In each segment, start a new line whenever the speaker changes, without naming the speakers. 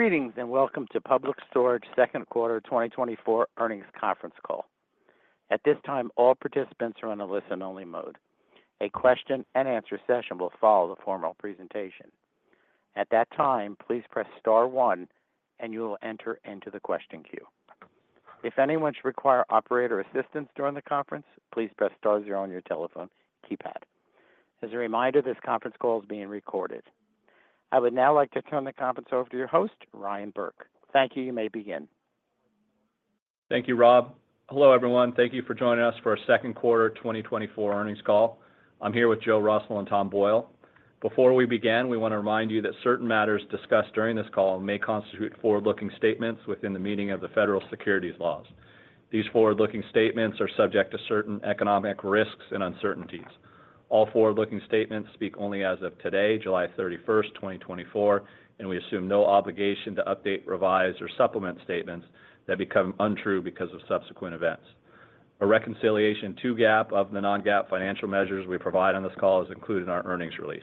Greetings, and welcome to Public Storage second quarter 2024 earnings conference call. At this time, all participants are on a listen-only mode. A question-and-answer session will follow the formal presentation. At that time, please press * one and you will enter into the question queue. If anyone should require operator assistance during the conference, please press * zero on your telephone keypad. As a reminder, this conference call is being recorded. I would now like to turn the conference over to your host, Ryan Burke. Thank you. You may begin.
Thank you, Rob. Hello, everyone. Thank you for joining us for our second quarter 2024 earnings call. I'm here with Joe Russell and Tom Boyle. Before we begin, we wanna remind you that certain matters discussed during this call may constitute forward-looking statements within the meaning of the federal securities laws. These forward-looking statements are subject to certain economic risks and uncertainties. All forward-looking statements speak only as of today, July 31, 2024, and we assume no obligation to update, revise, or supplement statements that become untrue because of subsequent events. A reconciliation to GAAP of the non-GAAP financial measures we provide on this call is included in our earnings release.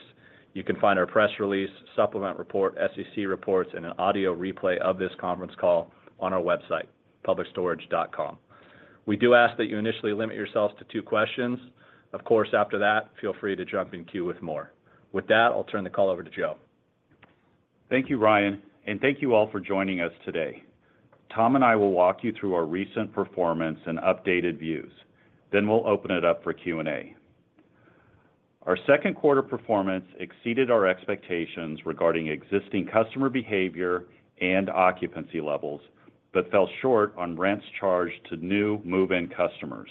You can find our press release, supplement report, SEC reports, and an audio replay of this conference call on our website, publicstorage.com. We do ask that you initially limit yourselves to two questions. Of course, after that, feel free to jump in queue with more. With that, I'll turn the call over to Joe.
Thank you, Ryan, and thank you all for joining us today. Tom and I will walk you through our recent performance and updated views, then we'll open it up for Q&A. Our second quarter performance exceeded our expectations regarding existing customer behavior and occupancy levels, but fell short on rents charged to new move-in customers.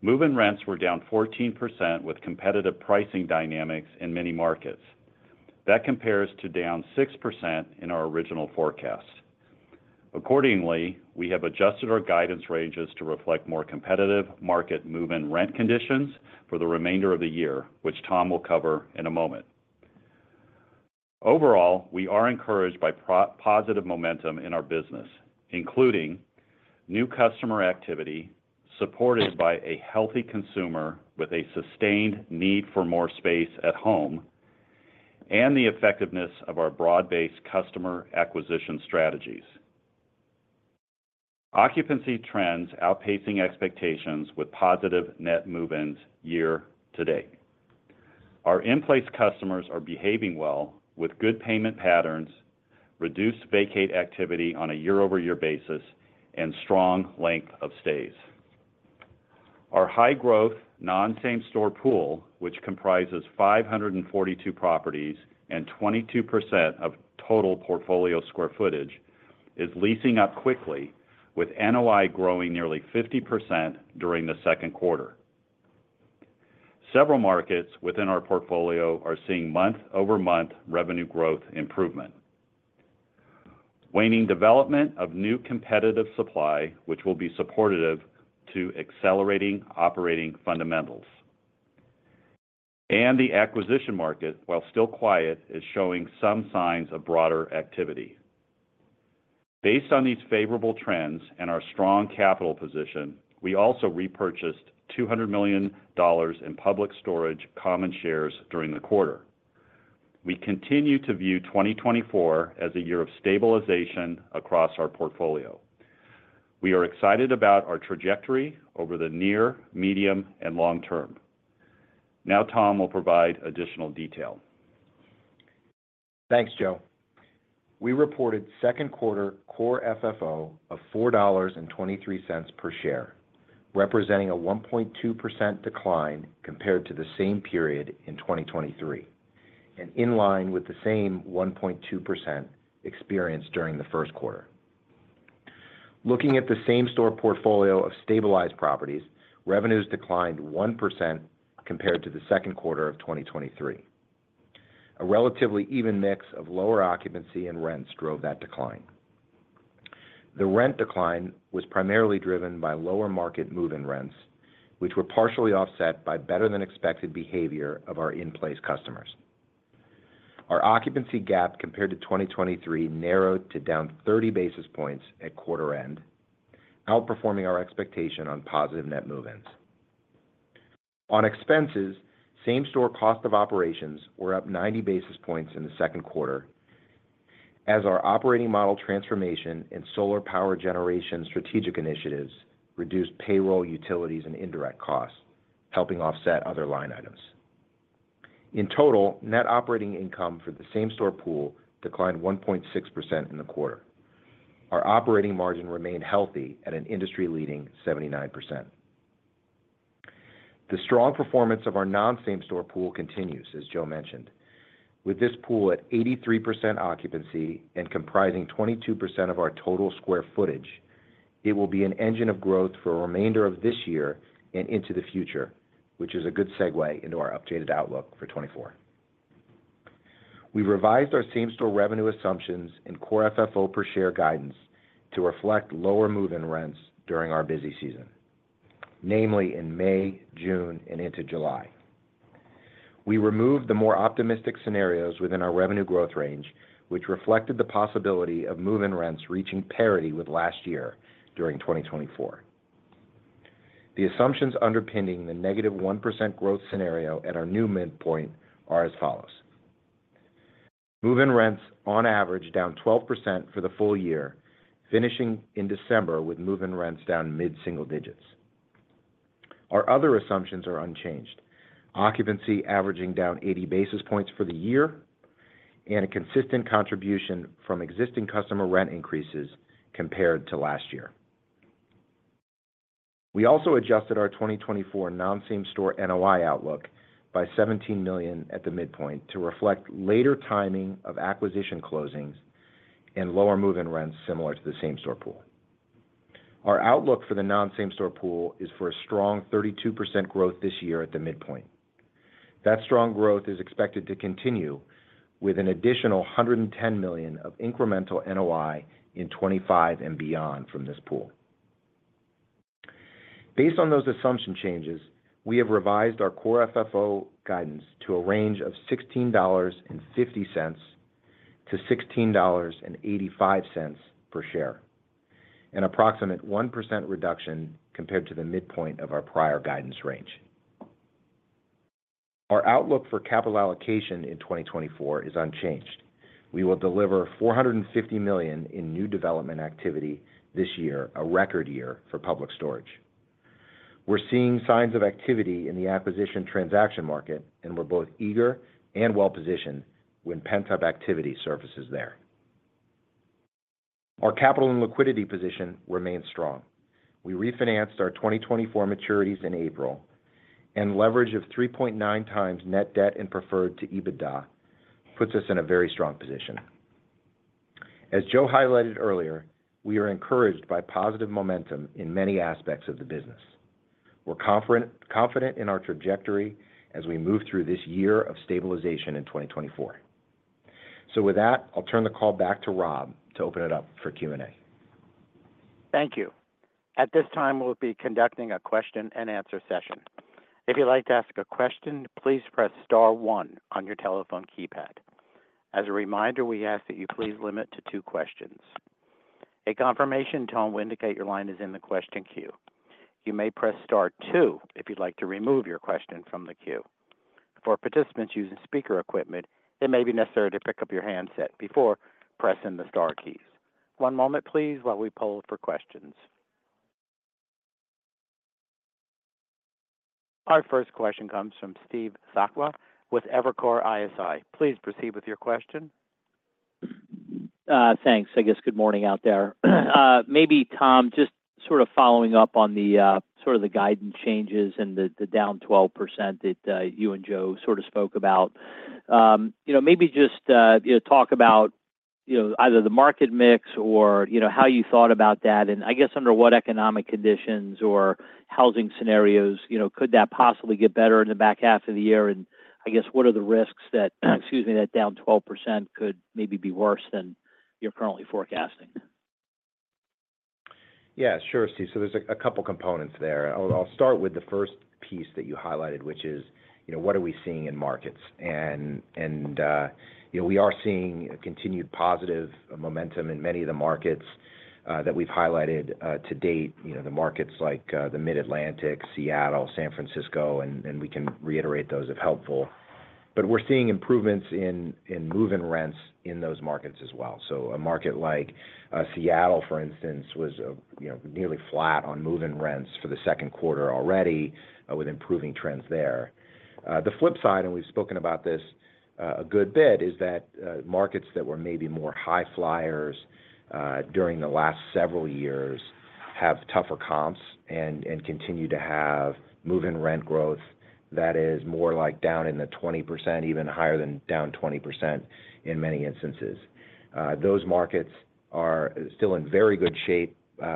Move-in rents were down 14% with competitive pricing dynamics in many markets. That compares to down 6% in our original forecast. Accordingly, we have adjusted our guidance ranges to reflect more competitive market move-in rent conditions for the remainder of the year, which Tom will cover in a moment. Overall, we are encouraged by positive momentum in our business, including new customer activity, supported by a healthy consumer with a sustained need for more space at home, and the effectiveness of our broad-based customer acquisition strategies. Occupancy trends outpacing expectations with positive net move-ins year to date. Our in-place customers are behaving well with good payment patterns, reduced vacate activity on a year-over-year basis, and strong length of stays. Our high-growth, non-same-store pool, which comprises 542 properties and 22% of total portfolio square footage, is leasing up quickly, with NOI growing nearly 50% during the second quarter. Several markets within our portfolio are seeing month-over-month revenue growth improvement. Waning development of new competitive supply, which will be supportive to accelerating operating fundamentals. And the acquisition market, while still quiet, is showing some signs of broader activity. Based on these favorable trends and our strong capital position, we also repurchased $200 million in Public Storage common shares during the quarter. We continue to view 2024 as a year of stabilization across our portfolio. We are excited about our trajectory over the near, medium, and long term. Now, Tom will provide additional detail.
Thanks, Joe. We reported second quarter Core FFO of $4.23 per share, representing a 1.2% decline compared to the same period in 2023, and in line with the same 1.2% experienced during the first quarter. Looking at the same-store portfolio of stabilized properties, revenues declined 1% compared to the second quarter of 2023. A relatively even mix of lower occupancy and rents drove that decline. The rent decline was primarily driven by lower market move-in rents, which were partially offset by better-than-expected behavior of our in-place customers. Our occupancy gap compared to 2023 narrowed to down 30 basis points at quarter end, outperforming our expectation on positive net move-ins. On expenses, same-store cost of operations were up 90 basis points in the second quarter, as our operating model transformation and solar power generation strategic initiatives reduced payroll, utilities, and indirect costs, helping offset other line items. In total, net operating income for the same-store pool declined 1.6% in the quarter. Our operating margin remained healthy at an industry-leading 79%. The strong performance of our non-same-store pool continues, as Joe mentioned. With this pool at 83% occupancy and comprising 22% of our total square footage, it will be an engine of growth for the remainder of this year and into the future, which is a good segue into our updated outlook for 2024. We revised our same-store revenue assumptions and Core FFO per share guidance to reflect lower move-in rents during our busy season, namely in May, June, and into July. We removed the more optimistic scenarios within our revenue growth range, which reflected the possibility of move-in rents reaching parity with last year during 2024… The assumptions underpinning the -1% growth scenario at our new midpoint are as follows: move-in rents, on average, down 12% for the full year, finishing in December with move-in rents down mid-single digits. Our other assumptions are unchanged. Occupancy averaging down 80 basis points for the year, and a consistent contribution from existing customer rent increases compared to last year. We also adjusted our 2024 non-same-store NOI outlook by $17 million at the midpoint, to reflect later timing of acquisition closings and lower move-in rents, similar to the same-store pool. Our outlook for the non-same-store pool is for a strong 32% growth this year at the midpoint. That strong growth is expected to continue with an additional $110 million of incremental NOI in 2025 and beyond from this pool. Based on those assumption changes, we have revised our Core FFO guidance to a range of $16.50-$16.85 per share, an approximate 1% reduction compared to the midpoint of our prior guidance range. Our outlook for capital allocation in 2024 is unchanged. We will deliver $450 million in new development activity this year, a record year for Public Storage. We're seeing signs of activity in the acquisition transaction market, and we're both eager and well-positioned when pent-up activity surfaces there. Our capital and liquidity position remains strong. We refinanced our 2024 maturities in April, and leverage of 3.9x net debt and preferred to EBITDA puts us in a very strong position. As Joe highlighted earlier, we are encouraged by positive momentum in many aspects of the business. We're confident in our trajectory as we move through this year of stabilization in 2024. So with that, I'll turn the call back to Rob to open it up for Q&A.
Thank you. At this time, we'll be conducting a question and answer session. If you'd like to ask a question, please press * one on your telephone keypad. As a reminder, we ask that you please limit to two questions. A confirmation tone will indicate your line is in the question queue. You may press * two if you'd like to remove your question from the queue. For participants using speaker equipment, it may be necessary to pick up your handset before pressing the * keys. One moment, please, while we poll for questions. Our first question comes from Steve Sakwa with Evercore ISI. Please proceed with your question.
Thanks. I guess, good morning out there. Maybe, Tom, just sort of following up on the sort of the guidance changes and the down 12% that you and Joe sort of spoke about. You know, maybe just you know, talk about, you know, either the market mix or, you know, how you thought about that, and I guess under what economic conditions or housing scenarios, you know, could that possibly get better in the back half of the year? And I guess, what are the risks that, excuse me, that down 12% could maybe be worse than you're currently forecasting?
Yeah, sure, Steve. So there's a couple components there. I'll start with the first piece that you highlighted, which is, you know, what are we seeing in markets? And, you know, we are seeing a continued positive momentum in many of the markets that we've highlighted to date, you know, the markets like the Mid-Atlantic, Seattle, San Francisco, and we can reiterate those if helpful. But we're seeing improvements in move-in rents in those markets as well. So a market like Seattle, for instance, was, you know, nearly flat on move-in rents for the second quarter already with improving trends there. The flip side, and we've spoken about this, a good bit, is that, markets that were maybe more high flyers, during the last several years, have tougher comps and continue to have move-in rent growth that is more like down in the 20%, even higher than down 20% in many instances. Those markets are still in very good shape,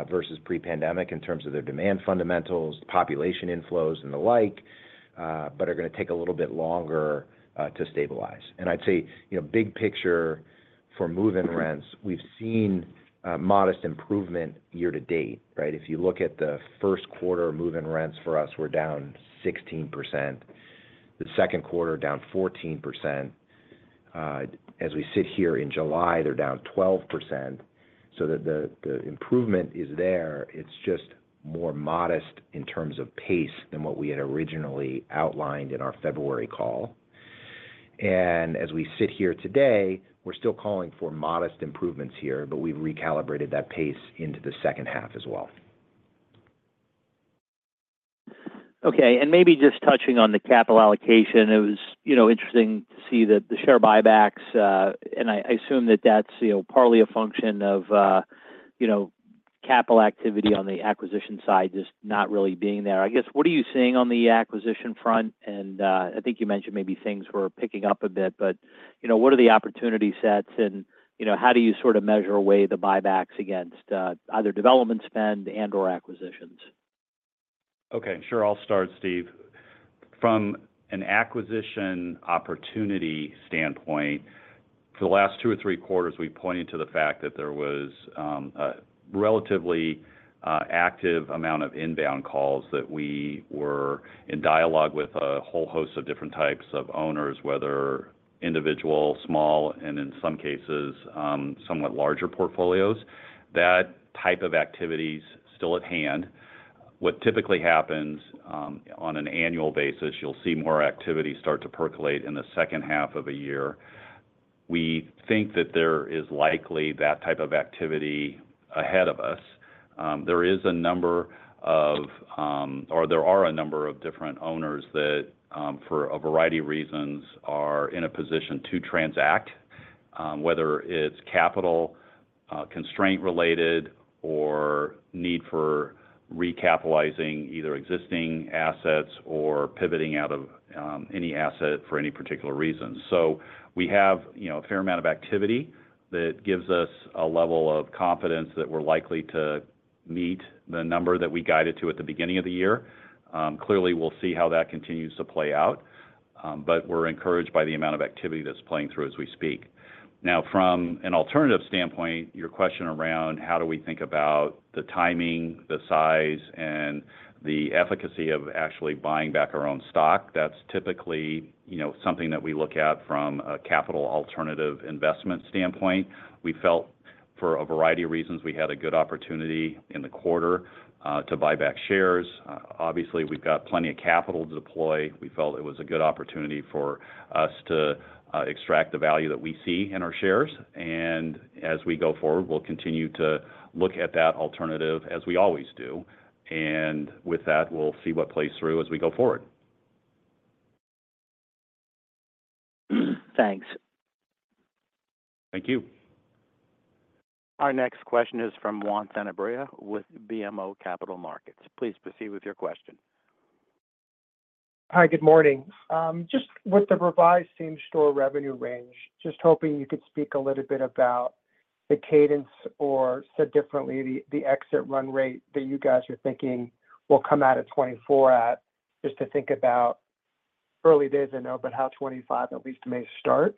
versus pre-pandemic in terms of their demand fundamentals, population inflows, and the like, but are gonna take a little bit longer, to stabilize. And I'd say, you know, big picture for move-in rents, we've seen a modest improvement year to date, right? If you look at the first quarter move-in rents for us, we're down 16%, the second quarter down 14%. As we sit here in July, they're down 12%. So the improvement is there, it's just more modest in terms of pace than what we had originally outlined in our February call. As we sit here today, we're still calling for modest improvements here, but we've recalibrated that pace into the second half as well.
Okay. And maybe just touching on the capital allocation, it was, you know, interesting to see that the share buybacks, and I, I assume that that's, you know, partly a function of, you know, capital activity on the acquisition side, just not really being there. I guess, what are you seeing on the acquisition front? And, I think you mentioned maybe things were picking up a bit, but, you know, what are the opportunity sets, and, you know, how do you sort of measure or weigh the buybacks against, either development spend and/or acquisitions?
Okay, sure. I'll start, Steve. From an acquisition opportunity standpoint, for the last 2 or 3 quarters, we pointed to the fact that there was a relatively active amount of inbound calls that we were in dialogue with a whole host of different types of owners, whether individual, small, and in some cases, somewhat larger portfolios. That type of activity is still at hand. What typically happens on an annual basis, you'll see more activity start to percolate in the second half of a year. We think that there is likely that type of activity ahead of us. There are a number of different owners that, for a variety of reasons, are in a position to transact, whether it's capital constraint-related or need for recapitalizing either existing assets or pivoting out of any asset for any particular reason. So we have, you know, a fair amount of activity that gives us a level of confidence that we're likely to meet the number that we guided to at the beginning of the year. Clearly, we'll see how that continues to play out, but we're encouraged by the amount of activity that's playing through as we speak. Now, from an alternative standpoint, your question around how do we think about the timing, the size, and the efficacy of actually buying back our own stock, that's typically, you know, something that we look at from a capital alternative investment standpoint. We felt, for a variety of reasons, we had a good opportunity in the quarter to buy back shares. Obviously, we've got plenty of capital to deploy. We felt it was a good opportunity for us to extract the value that we see in our shares, and as we go forward, we'll continue to look at that alternative as we always do. And with that, we'll see what plays through as we go forward.
Thanks.
Thank you.
Our next question is from Juan Sanabria with BMO Capital Markets. Please proceed with your question.
Hi, good morning. Just with the revised same-store revenue range, just hoping you could speak a little bit about the cadence, or said differently, the exit run rate that you guys are thinking will come out of 2024 at, just to think about early days I know, but how 2025 at least may start?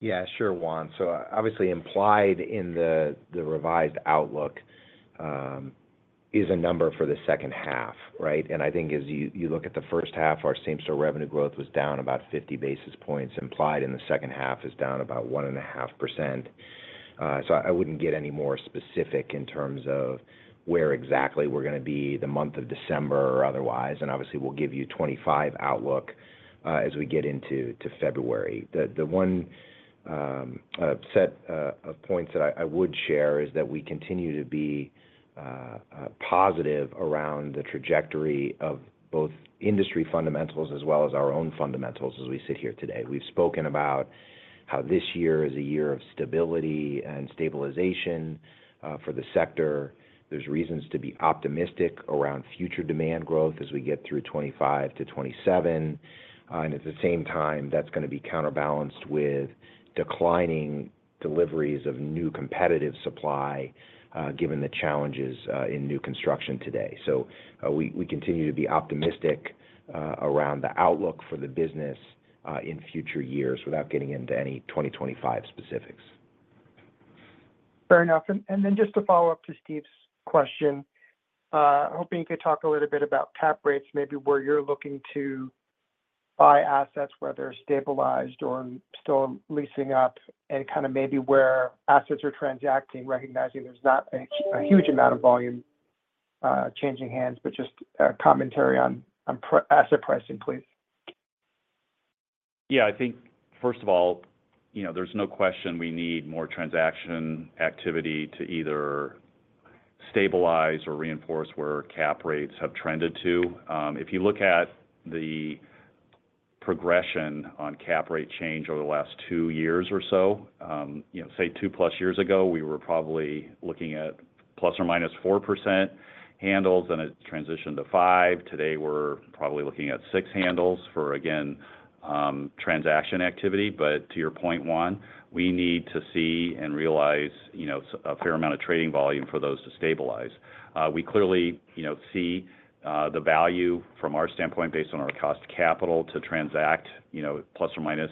Yeah, sure, Juan. So obviously, implied in the revised outlook is a number for the second half, right? And I think as you look at the first half, our same-store revenue growth was down about 50 basis points, implied in the second half is down about 1.5%. So I wouldn't get any more specific in terms of where exactly we're going to be the month of December or otherwise, and obviously, we'll give you 2025 outlook as we get into February. The one set of points that I would share is that we continue to be positive around the trajectory of both industry fundamentals as well as our own fundamentals as we sit here today. We've spoken about how this year is a year of stability and stabilization for the sector. are reasons to be optimistic around future demand growth as we get through 2025 to 2027. And at the same time, that's going to be counterbalanced with declining deliveries of new competitive supply, given the challenges in new construction today. So we continue to be optimistic around the outlook for the business in future years without getting into any 2025 specifics.
Fair enough. And then just to follow up to Steve's question, hoping you could talk a little bit about cap rates, maybe where you're looking to buy assets, whether stabilized or still leasing up, and kind of maybe where assets are transacting, recognizing there's not a huge amount of volume changing hands, but just a commentary on asset pricing, please.
Yeah, I think, first of all, you know, there's no question we need more transaction activity to either stabilize or reinforce where cap rates have trended to. If you look at the progression on cap rate change over the last two years or so, you know, say, 2+ years ago, we were probably looking at ±4% handles, and it transitioned to 5. Today, we're probably looking at 6 handles for, again, transaction activity. But to your point, one, we need to see and realize, you know, a fair amount of trading volume for those to stabilize. We clearly, you know, see the value from our standpoint, based on our cost capital to transact, you know, ±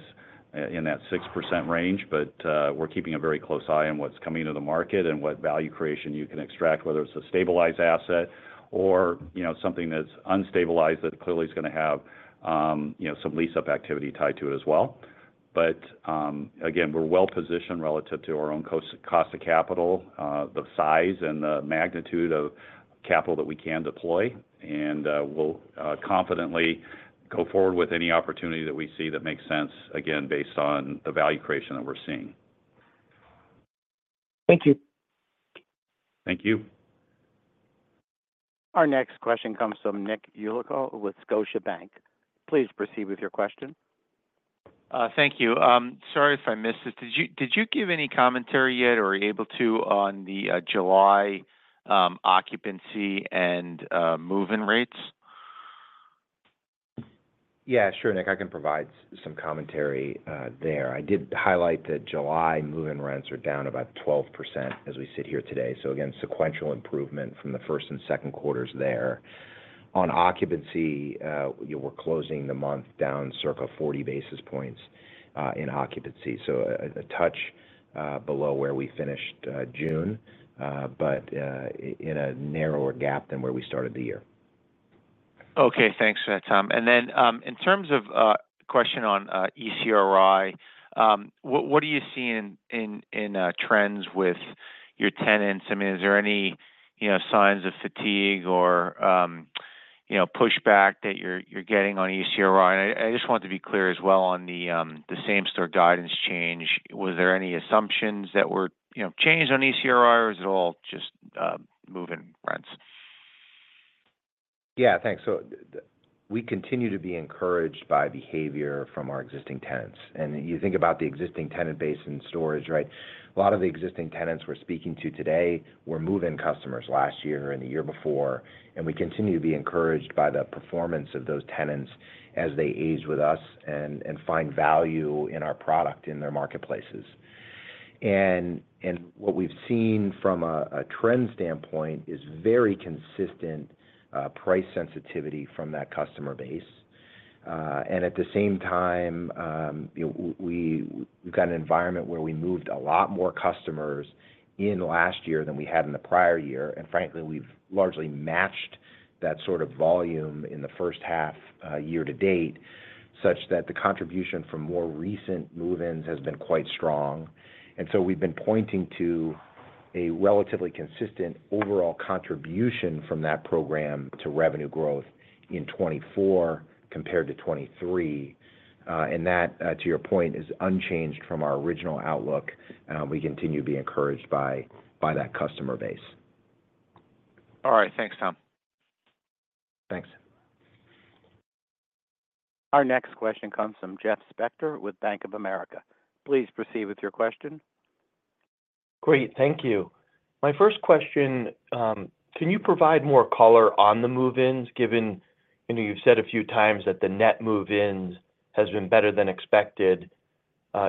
in that 6% range. But, we're keeping a very close eye on what's coming into the market and what value creation you can extract, whether it's a stabilized asset or, you know, something that's unstabilized that clearly is going to have, you know, some lease-up activity tied to it as well. But, again, we're well positioned relative to our own cost, cost of capital, the size and the magnitude of capital that we can deploy. And, we'll confidently go forward with any opportunity that we see that makes sense, again, based on the value creation that we're seeing.
Thank you.
Thank you.
Our next question comes from Nick Yulico with Scotiabank. Please proceed with your question.
Thank you. Sorry if I missed this. Did you, did you give any commentary yet or are you able to on the July occupancy and move-in rates?
Yeah, sure, Nick, I can provide some commentary there. I did highlight that July move-in rents are down about 12% as we sit here today. So again, sequential improvement from the first and second quarters there. On occupancy, we're closing the month down circa 40 basis points in occupancy, so a touch below where we finished June, but in a narrower gap than where we started the year....
Okay, thanks for that, Tom. Then, in terms of question on ECRI, what are you seeing in trends with your tenants? I mean, is there any, you know, signs of fatigue or, you know, pushback that you're getting on ECRI? And I just want to be clear as well on the same store guidance change. Was there any assumptions that were, you know, changed on ECRI, or is it all just move-in rents?
Yeah, thanks. So we continue to be encouraged by behavior from our existing tenants. And you think about the existing tenant base in storage, right? A lot of the existing tenants we're speaking to today were move-in customers last year and the year before, and we continue to be encouraged by the performance of those tenants as they age with us and find value in our product, in their marketplaces. And what we've seen from a trend standpoint is very consistent, price sensitivity from that customer base. And at the same time, you know, we've got an environment where we moved a lot more customers in last year than we had in the prior year, and frankly, we've largely matched that sort of volume in the first half, year to date, such that the contribution from more recent move-ins has been quite strong. And so we've been pointing to a relatively consistent overall contribution from that program to revenue growth in 2024 compared to 2023. And that, to your point, is unchanged from our original outlook, and we continue to be encouraged by that customer base.
All right. Thanks, Tom.
Thanks.
Our next question comes from Jeff Spector with Bank of America. Please proceed with your question.
Great. Thank you. My first question: can you provide more color on the move-ins, given, you know, you've said a few times that the net move-ins has been better than expected.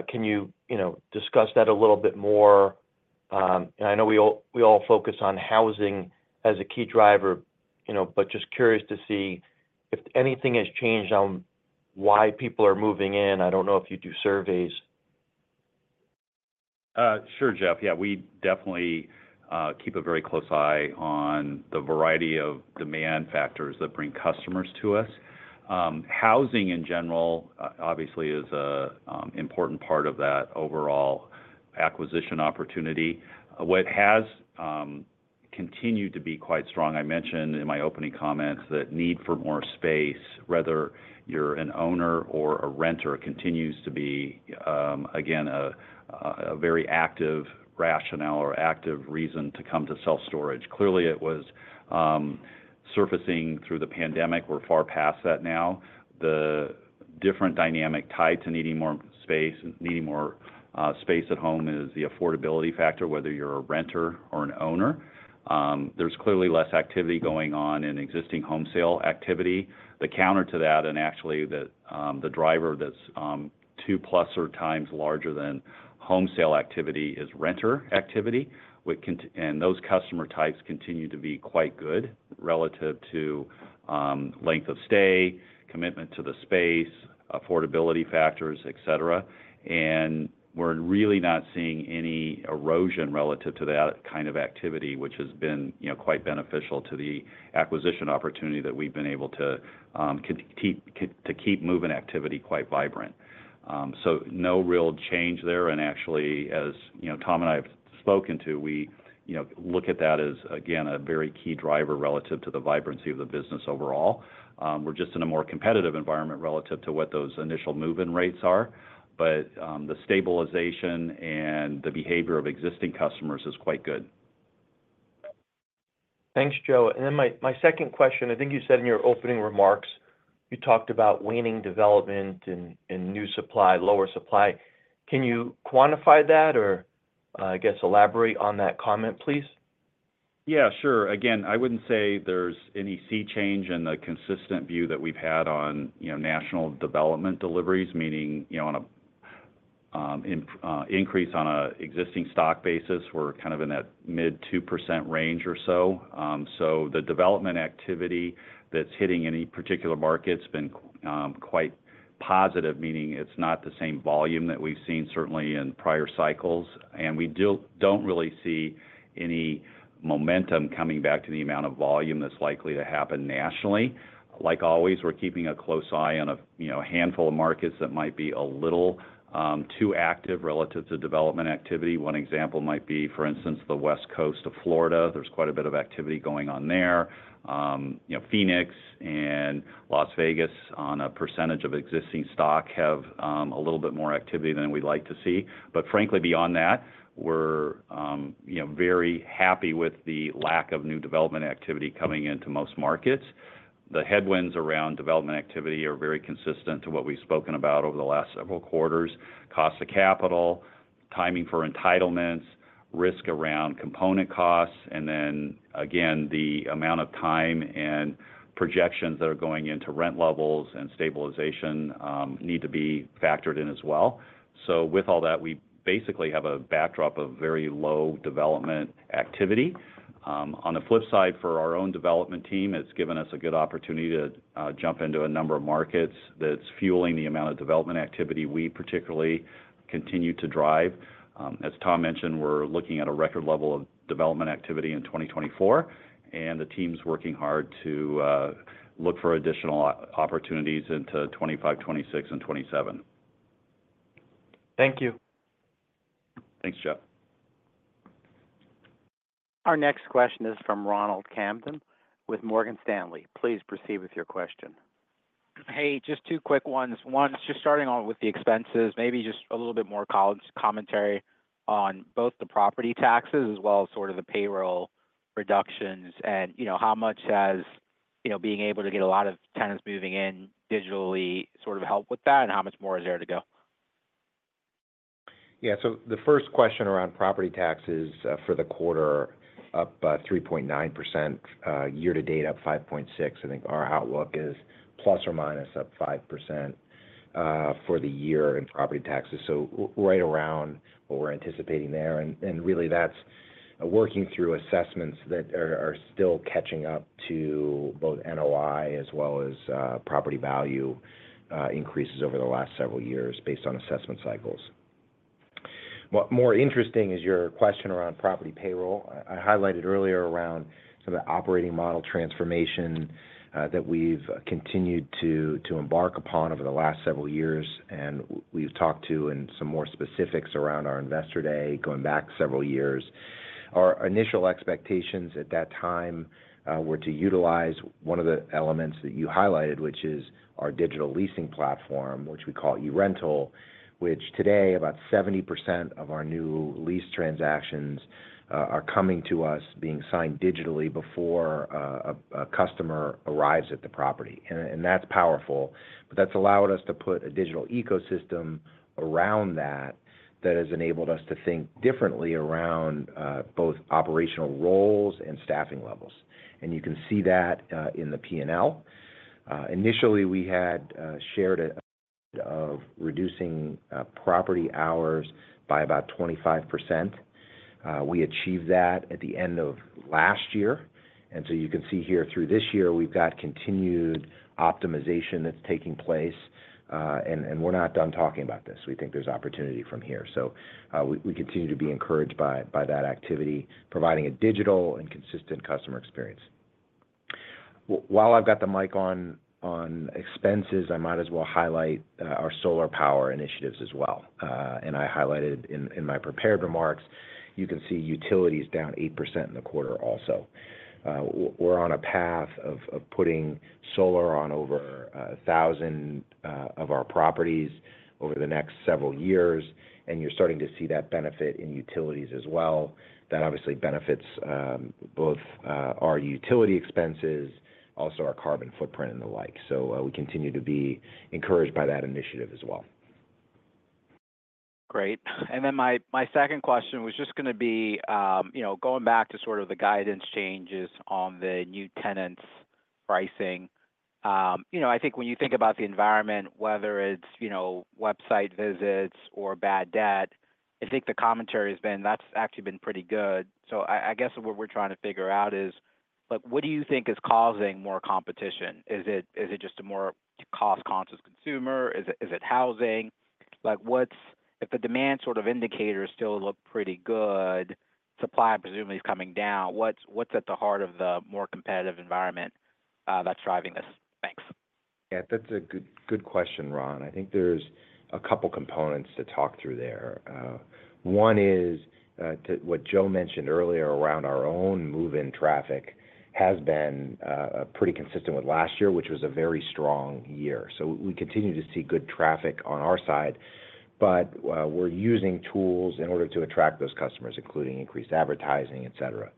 Can you, you know, discuss that a little bit more? And I know we all, we all focus on housing as a key driver, you know, but just curious to see if anything has changed on why people are moving in. I don't know if you do surveys.
Sure, Jeff. Yeah, we definitely keep a very close eye on the variety of demand factors that bring customers to us. Housing, in general, obviously, is an important part of that overall acquisition opportunity. What has continued to be quite strong, I mentioned in my opening comments, that need for more space, whether you're an owner or a renter, continues to be, again, a very active rationale or active reason to come to self-storage. Clearly, it was surfacing through the pandemic. We're far past that now. The different dynamic tied to needing more space, needing more space at home is the affordability factor, whether you're a renter or an owner. There's clearly less activity going on in existing home sale activity. The counter to that, and actually, the driver that's two-plus or times larger than home sale activity is renter activity, which and those customer types continue to be quite good relative to length of stay, commitment to the space, affordability factors, et cetera. And we're really not seeing any erosion relative to that kind of activity, which has been, you know, quite beneficial to the acquisition opportunity that we've been able to keep move-in activity quite vibrant. So no real change there. And actually, as you know, Tom and I have spoken to, we, you know, look at that as, again, a very key driver relative to the vibrancy of the business overall. We're just in a more competitive environment relative to what those initial move-in rates are, but the stabilization and the behavior of existing customers is quite good.
Thanks, Joe. And then my, my second question: I think you said in your opening remarks, you talked about waning development and, and new supply, lower supply. Can you quantify that or, I guess, elaborate on that comment, please?
Yeah, sure. Again, I wouldn't say there's any sea change in the consistent view that we've had on, you know, national development deliveries, meaning, you know, on a, increase on a existing stock basis, we're kind of in that mid-2% range or so. So the development activity that's hitting any particular market's been, quite positive, meaning it's not the same volume that we've seen, certainly in prior cycles. And we don't really see any momentum coming back to the amount of volume that's likely to happen nationally. Like always, we're keeping a close eye on a, you know, handful of markets that might be a little, too active relative to development activity. One example might be, for instance, the West Coast of Florida. There's quite a bit of activity going on there. You know, Phoenix and Las Vegas, on a percentage of existing stock, have a little bit more activity than we'd like to see. But frankly, beyond that, we're, you know, very happy with the lack of new development activity coming into most markets. The headwinds around development activity are very consistent to what we've spoken about over the last several quarters: cost of capital, timing for entitlements, risk around component costs, and then again, the amount of time and projections that are going into rent levels and stabilization need to be factored in as well. So with all that, we basically have a backdrop of very low development activity. On the flip side, for our own development team, it's given us a good opportunity to jump into a number of markets that's fueling the amount of development activity we particularly continue to drive. As Tom mentioned, we're looking at a record level of development activity in 2024, and the team's working hard to look for additional opportunities into 2025, 2026, and 2027....
Thank you.
Thanks, Joe.
Our next question is from Ronald Kamdem with Morgan Stanley. Please proceed with your question.
Hey, just two quick ones. One, just starting off with the expenses, maybe just a little bit more color commentary on both the property taxes as well as sort of the payroll reductions and, you know, how much has, you know, being able to get a lot of tenants moving in digitally, sort of helped with that, and how much more is there to go?
Yeah. So the first question around property taxes, for the quarter, up by 3.9%, year to date, up 5.6. I think our outlook is plus or minus up 5%, for the year in property taxes. So right around what we're anticipating there, and really that's working through assessments that are still catching up to both NOI as well as, property value, increases over the last several years based on assessment cycles. What more interesting is your question around property payroll. I highlighted earlier around sort of the operating model transformation, that we've continued to embark upon over the last several years, and we've talked to and some more specifics around our investor day, going back several years. Our initial expectations at that time were to utilize one of the elements that you highlighted, which is our digital leasing platform, which we call eRental, which today, about 70% of our new lease transactions are coming to us, being signed digitally before a customer arrives at the property. And that's powerful, but that's allowed us to put a digital ecosystem around that, that has enabled us to think differently around both operational roles and staffing levels. And you can see that in the P&L. Initially, we had shared a goal of reducing property hours by about 25%. We achieved that at the end of last year, and so you can see here through this year, we've got continued optimization that's taking place, and we're not done talking about this. We think there's opportunity from here. So, we continue to be encouraged by that activity, providing a digital and consistent customer experience. While I've got the mic on expenses, I might as well highlight our solar power initiatives as well. And I highlighted in my prepared remarks, you can see utilities down 8% in the quarter also. We're on a path of putting solar on over 1,000 of our properties over the next several years, and you're starting to see that benefit in utilities as well. That obviously benefits both our utility expenses, also our carbon footprint and the like. So, we continue to be encouraged by that initiative as well.
Great. Then my, my second question was just gonna be, you know, going back to sort of the guidance changes on the new tenants' pricing. You know, I think when you think about the environment, whether it's, you know, website visits or bad debt, I think the commentary has been, that's actually been pretty good. I, I guess what we're trying to figure out is, like, what do you think is causing more competition? Is it, is it just a more cost-conscious consumer? Is it, is it housing? Like, what's, if the demand sort of indicators still look pretty good, supply presumably is coming down, what's, what's at the heart of the more competitive environment, that's driving this? Thanks.
Yeah, that's a good, good question, Ron. I think there's a couple components to talk through there. One is to what Joe mentioned earlier around our own move-in traffic has been pretty consistent with last year, which was a very strong year. So we continue to see good traffic on our side, but we're using tools in order to attract those customers, including increased advertising, et cetera.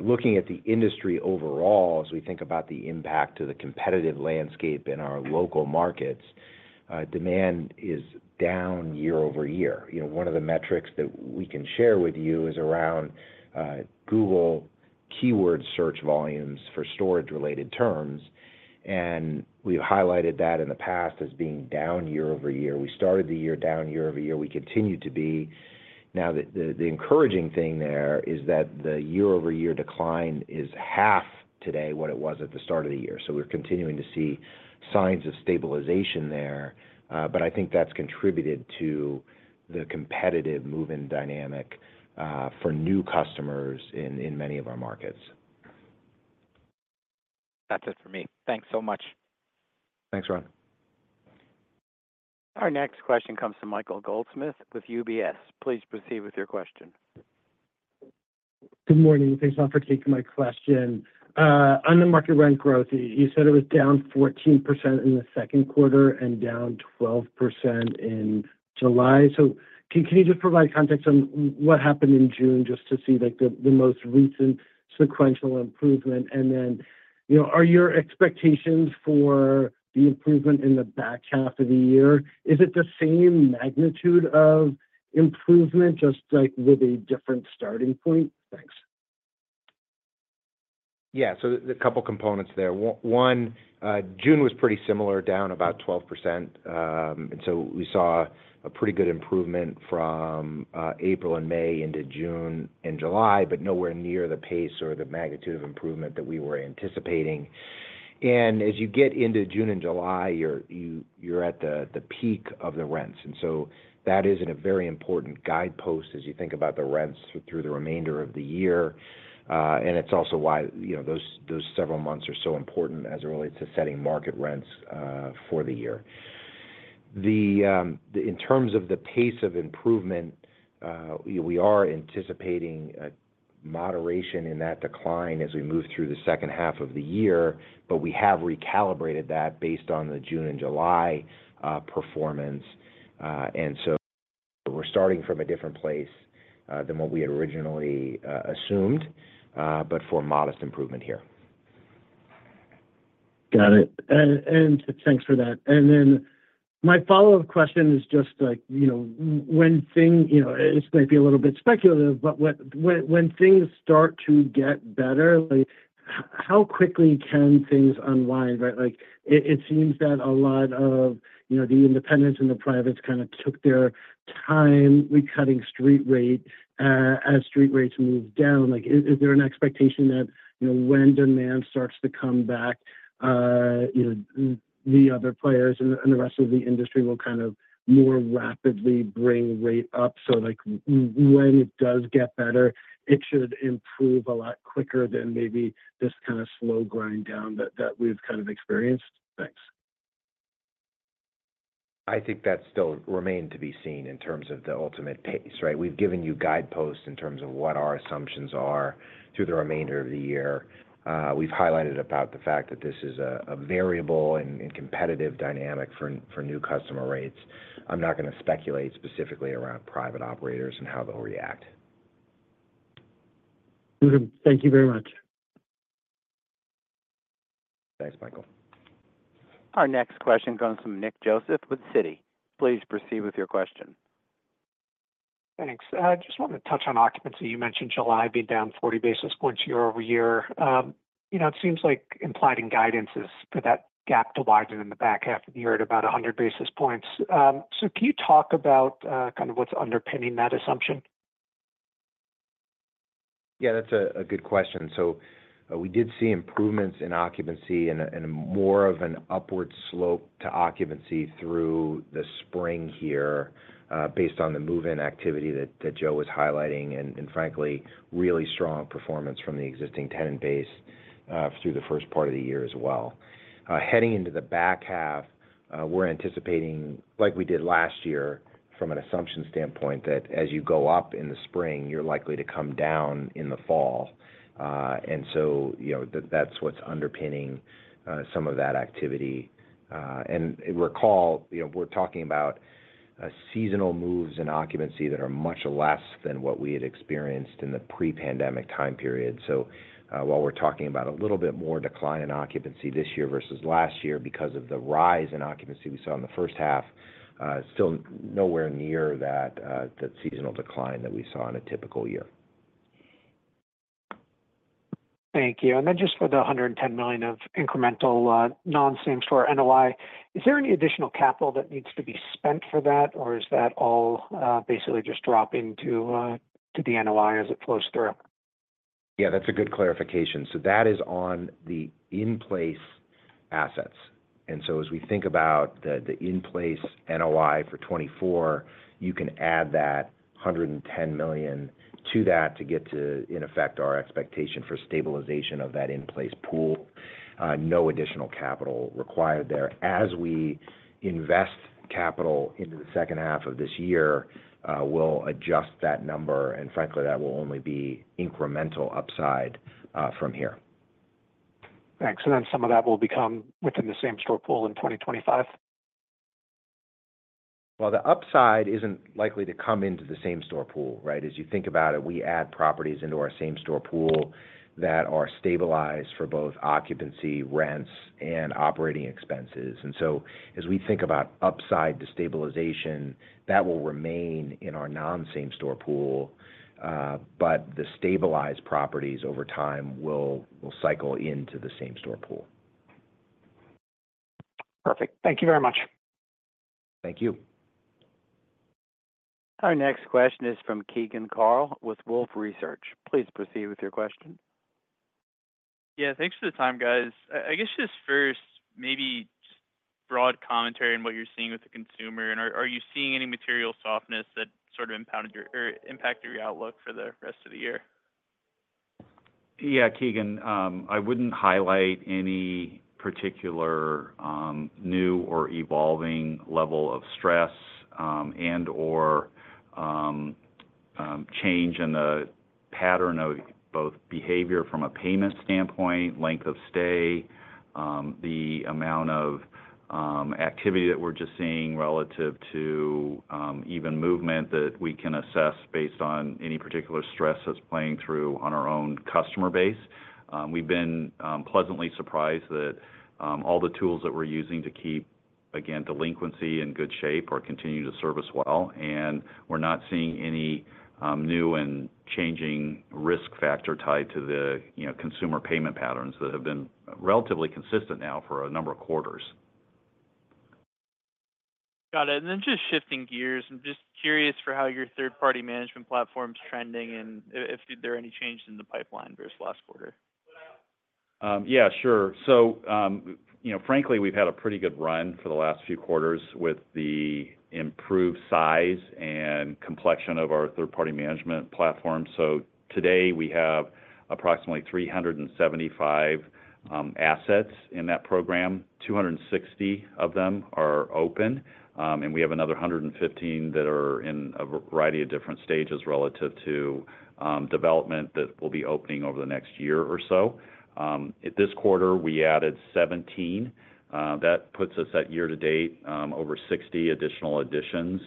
Looking at the industry overall, as we think about the impact to the competitive landscape in our local markets, demand is down year-over-year. You know, one of the metrics that we can share with you is around Google keyword search volumes for storage-related terms, and we've highlighted that in the past as being down year-over-year. We started the year down year-over-year. We continue to be... Now, the encouraging thing there is that the year-over-year decline is half today what it was at the start of the year. So we're continuing to see signs of stabilization there, but I think that's contributed to the competitive move-in dynamic, for new customers in many of our markets.
That's it for me. Thanks so much.
Thanks, Ron.
Our next question comes from Michael Goldsmith with UBS. Please proceed with your question.
Good morning. Thanks a lot for taking my question. On the market rent growth, you said it was down 14% in the second quarter and down 12% in July. So can you just provide context on what happened in June, just to see, like, the, the most recent sequential improvement? And then, you know, are your expectations for the improvement in the back half of the year, is it the same magnitude of improvement, just, like, with a different starting point? Thanks.
Yeah. So a couple components there. One, June was pretty similar, down about 12%. And so we saw a pretty good improvement from April and May into June and July, but nowhere near the pace or the magnitude of improvement that we were anticipating. And as you get into June and July, you're at the peak of the rents. And so that is in a very important guidepost as you think about the rents through the remainder of the year. And it's also why, you know, those several months are so important as it relates to setting market rents for the year.... In terms of the pace of improvement, we are anticipating a moderation in that decline as we move through the second half of the year, but we have recalibrated that based on the June and July performance. And so we're starting from a different place than what we had originally assumed, but for modest improvement here.
Got it. And thanks for that. And then my follow-up question is just like, you know, when things you know, it's going to be a little bit speculative, but when, when things start to get better, like, how quickly can things unwind, right? Like, it seems that a lot of, you know, the independents and the privates kind of took their time recutting street rate, as street rates moved down. Like, is there an expectation that, you know, when demand starts to come back, you know, the other players and the rest of the industry will kind of more rapidly bring rate up? So, like, when it does get better, it should improve a lot quicker than maybe this kind of slow grind down that we've kind of experienced? Thanks.
I think that still remain to be seen in terms of the ultimate pace, right? We've given you guideposts in terms of what our assumptions are through the remainder of the year. We've highlighted about the fact that this is a variable and competitive dynamic for new customer rates. I'm not going to speculate specifically around private operators and how they'll react.
Mm-hmm. Thank you very much.
Thanks, Michael.
Our next question comes from Nick Joseph with Citi. Please proceed with your question.
Thanks. I just wanted to touch on occupancy. You mentioned July being down 40 basis points year-over-year. You know, it seems like implied in guidance is for that gap to widen in the back half of the year at about 100 basis points. So can you talk about kind of what's underpinning that assumption?
Yeah, that's a good question. So we did see improvements in occupancy and a more of an upward slope to occupancy through the spring here, based on the move-in activity that Joe was highlighting, and frankly, really strong performance from the existing tenant base, through the first part of the year as well. Heading into the back half, we're anticipating, like we did last year, from an assumption standpoint, that as you go up in the spring, you're likely to come down in the fall. And so, you know, that's what's underpinning some of that activity. And recall, you know, we're talking about a seasonal moves in occupancy that are much less than what we had experienced in the pre-pandemic time period. While we're talking about a little bit more decline in occupancy this year versus last year because of the rise in occupancy we saw in the first half, still nowhere near that seasonal decline that we saw in a typical year.
Thank you. And then just for the $110 million of incremental non-same-store NOI, is there any additional capital that needs to be spent for that, or is that all basically just dropping to the NOI as it flows through?
Yeah, that's a good clarification. So that is on the in-place assets. And so as we think about the in-place NOI for 2024, you can add that $110 million to that to get to, in effect, our expectation for stabilization of that in-place pool. No additional capital required there. As we invest capital into the second half of this year, we'll adjust that number, and frankly, that will only be incremental upside from here.
Thanks. And then some of that will become within the same-store pool in 2025?
Well, the upside isn't likely to come into the same-store pool, right? As you think about it, we add properties into our same-store pool that are stabilized for both occupancy, rents, and operating expenses. And so as we think about upside to stabilization, that will remain in our non-same-store pool, but the stabilized properties over time will cycle into the same-store pool.
Perfect. Thank you very much.
Thank you.
Our next question is from Keegan Carl with Wolfe Research. Please proceed with your question.
Yeah, thanks for the time, guys. I guess just first, maybe broad commentary on what you're seeing with the consumer. And are you seeing any material softness that sort of impounded your or impacted your outlook for the rest of the year?
Yeah, Keegan, I wouldn't highlight any particular new or evolving level of stress and/or change in the pattern of both behavior from a payment standpoint, length of stay, the amount of activity that we're just seeing relative to even movement that we can assess based on any particular stress that's playing through on our own customer base. We've been pleasantly surprised that all the tools that we're using to keep, again, delinquency in good shape or continue to service well, and we're not seeing any new and changing risk factor tied to the, you know, consumer payment patterns that have been relatively consistent now for a number of quarters.
Got it. And then just shifting gears, I'm just curious for how your third-party management platform is trending, and if there are any changes in the pipeline versus last quarter?...
Yeah, sure. So, you know, frankly, we've had a pretty good run for the last few quarters with the improved size and complexion of our third-party management platform. So today, we have approximately 375 assets in that program. 260 of them are open, and we have another 115 that are in a variety of different stages relative to development that will be opening over the next year or so. This quarter, we added 17. That puts us at year to date over 60 additional additions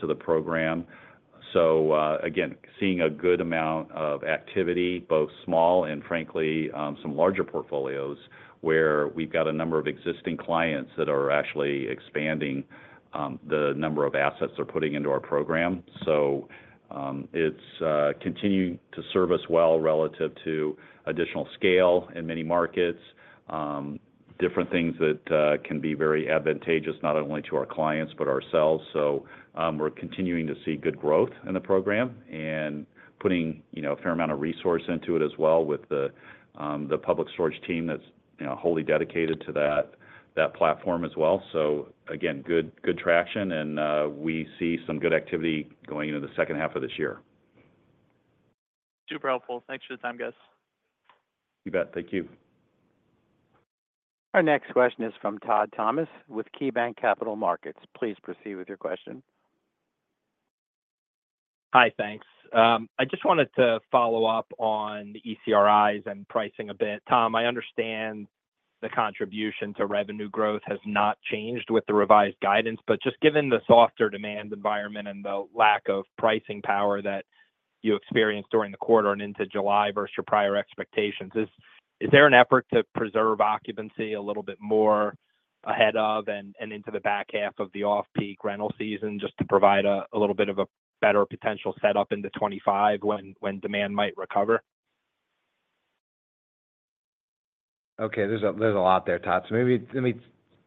to the program. So, again, seeing a good amount of activity, both small and frankly some larger portfolios, where we've got a number of existing clients that are actually expanding the number of assets they're putting into our program. So, it's continuing to serve us well relative to additional scale in many markets, different things that can be very advantageous, not only to our clients, but ourselves. So, we're continuing to see good growth in the program and putting, you know, a fair amount of resource into it as well with the Public Storage team that's, you know, wholly dedicated to that platform as well. So again, good, good traction, and we see some good activity going into the second half of this year.
Super helpful. Thanks for the time, guys.
You bet. Thank you.
Our next question is from Todd Thomas with KeyBanc Capital Markets. Please proceed with your question.
Hi, thanks. I just wanted to follow up on the ECRIs and pricing a bit. Tom, I understand the contribution to revenue growth has not changed with the revised guidance, but just given the softer demand environment and the lack of pricing power that you experienced during the quarter and into July versus your prior expectations, is there an effort to preserve occupancy a little bit more ahead of and into the back half of the off-peak rental season, just to provide a little bit of a better potential setup into 2025 when demand might recover?
Okay, there's a lot there, Todd. Maybe let me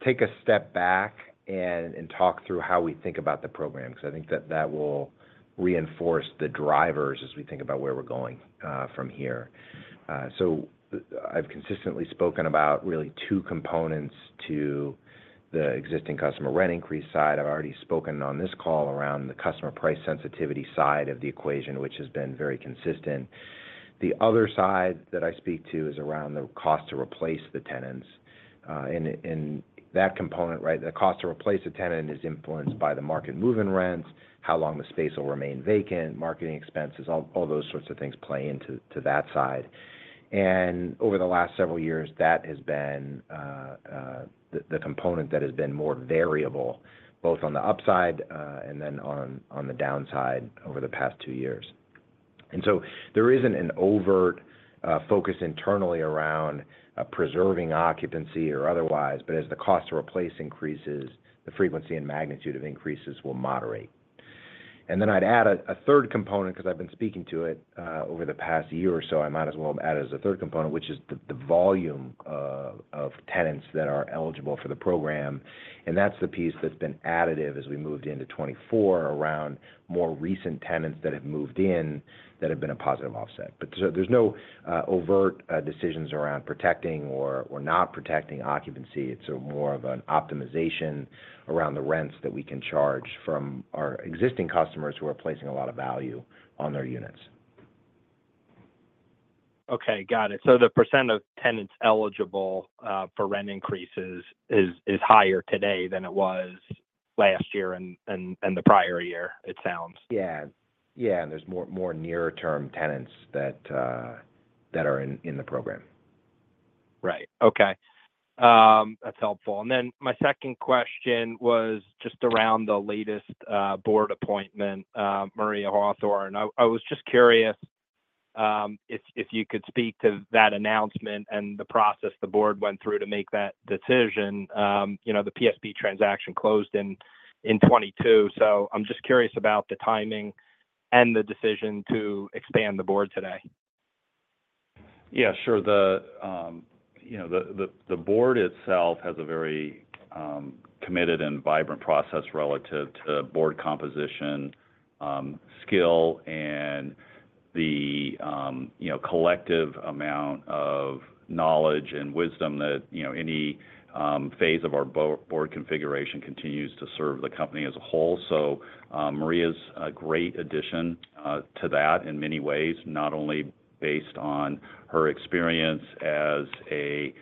take a step back and talk through how we think about the program, because I think that will reinforce the drivers as we think about where we're going from here. I've consistently spoken about really two components to the existing customer rent increase side. I've already spoken on this call around the customer price sensitivity side of the equation, which has been very consistent. The other side that I speak to is around the cost to replace the tenants. That component, right, the cost to replace a tenant is influenced by the market move-in rents, how long the space will remain vacant, marketing expenses, all those sorts of things play into that side. Over the last several years, that has been the component that has been more variable, both on the upside, and then on the downside over the past two years. So there isn't an overt focus internally around preserving occupancy or otherwise, but as the cost to replace increases, the frequency and magnitude of increases will moderate. Then I'd add a third component, because I've been speaking to it over the past year or so. I might as well add as a third component, which is the volume of tenants that are eligible for the program, and that's the piece that's been additive as we moved into 2024, around more recent tenants that have moved in that have been a positive offset. But so there's no overt decisions around protecting or not protecting occupancy. It's more of an optimization around the rents that we can charge from our existing customers who are placing a lot of value on their units.
Okay, got it. So the percent of tenants eligible for rent increases is higher today than it was last year and the prior year, it sounds.
Yeah. Yeah, and there's more, more near-term tenants that are in the program.
Right. Okay. That's helpful. And then my second question was just around the latest board appointment, Maria Hawthorne. I was just curious if you could speak to that announcement and the process the board went through to make that decision. You know, the PSB transaction closed in 2022, so I'm just curious about the timing and the decision to expand the board today.
Yeah, sure. The, you know, the board itself has a very committed and vibrant process relative to board composition, skill, and the, you know, collective amount of knowledge and wisdom that, you know, any phase of our board configuration continues to serve the company as a whole. So, Maria's a great addition to that in many ways, not only based on her experience as a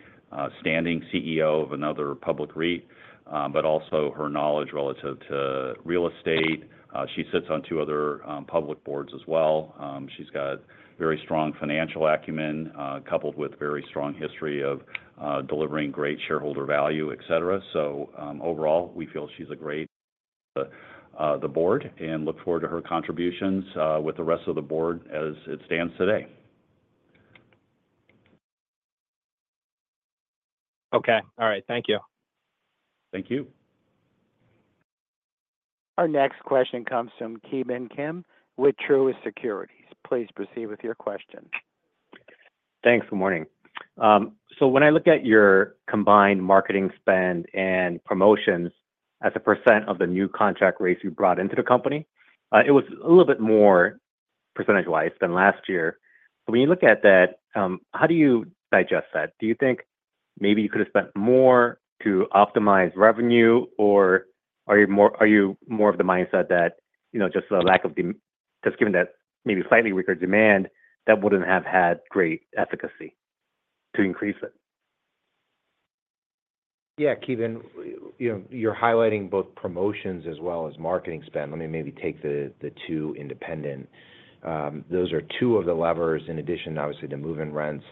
standing CEO of another public REIT, but also her knowledge relative to real estate. She sits on two other public boards as well. She's got very strong financial acumen, coupled with very strong history of delivering great shareholder value, et cetera. Overall, we feel she's a great addition to the board and look forward to her contributions with the rest of the board as it stands today.
Okay. All right. Thank you.
Thank you.
Our next question comes from Ki Bin Kim with Truist Securities. Please proceed with your question.
Thanks. Good morning. So when I look at your combined marketing spend and promotions as a percent of the new contract rates you brought into the company, it was a little bit more percentage-wise than last year. So when you look at that, how do you digest that? Do you think maybe you could have spent more to optimize revenue, or are you more of the mindset that, you know, just the lack of just given that maybe slightly weaker demand, that wouldn't have had great efficacy to increase it?
Yeah, Ki Bin, you know, you're highlighting both promotions as well as marketing spend. Let me maybe take the two independently. Those are two of the levers in addition, obviously, to move-in rents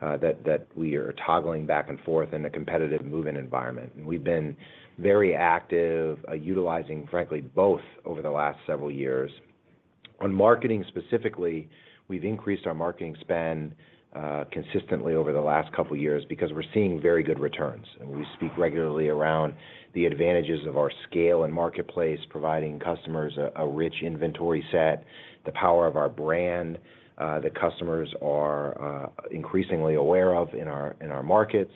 that we are toggling back and forth in a competitive move-in environment. And we've been very active utilizing, frankly, both over the last several years. On marketing specifically, we've increased our marketing spend consistently over the last couple of years because we're seeing very good returns. And we speak regularly around the advantages of our scale and marketplace, providing customers a rich inventory set, the power of our brand that customers are increasingly aware of in our markets.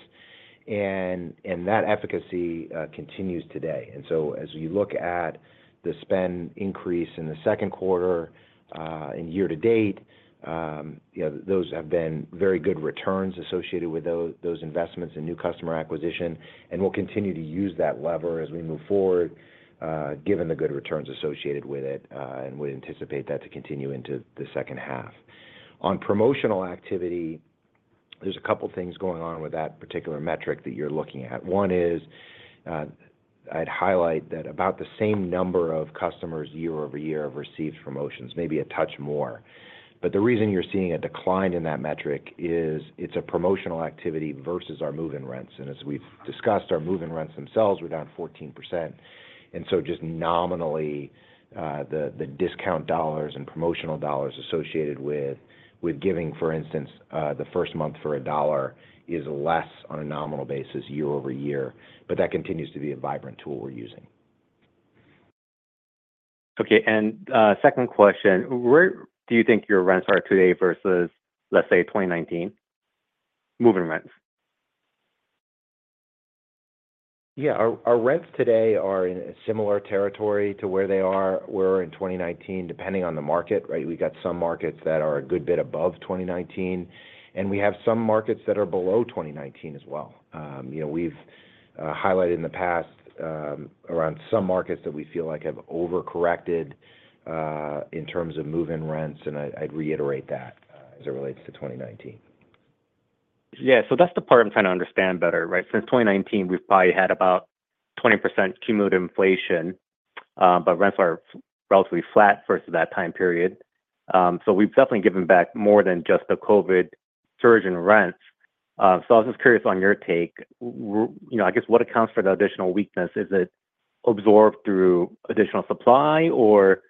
And that efficacy continues today. So as you look at the spend increase in the second quarter, and year to date, you know, those have been very good returns associated with those investments in new customer acquisition, and we'll continue to use that lever as we move forward, given the good returns associated with it, and we anticipate that to continue into the second half. On promotional activity, there's a couple of things going on with that particular metric that you're looking at. One is, I'd highlight that about the same number of customers year-over-year have received promotions, maybe a touch more. But the reason you're seeing a decline in that metric is it's a promotional activity versus our move-in rents. And as we've discussed, our move-in rents themselves were down 14%. And so just nominally, the discount dollars and promotional dollars associated with giving, for instance, the first month for $1, is less on a nominal basis year over year. But that continues to be a vibrant tool we're using.
Okay, and second question: where do you think your rents are today versus, let's say, 2019? Move-in rents.
Yeah. Our rents today are in a similar territory to where they were in 2019, depending on the market, right? We got some markets that are a good bit above 2019, and we have some markets that are below 2019 as well. You know, we've highlighted in the past around some markets that we feel like have overcorrected in terms of move-in rents, and I'd reiterate that as it relates to 2019.
Yeah. So that's the part I'm trying to understand better, right? Since 2019, we've probably had about 20% cumulative inflation, but rents are relatively flat versus that time period. So we've definitely given back more than just the COVID surge in rents. So I was just curious on your take. You know, I guess, what accounts for the additional weakness? Is it absorbed through additional supply, or